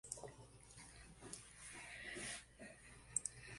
Su cuerpo yace enterrado en el panteón real del monasterio de Guadalupe.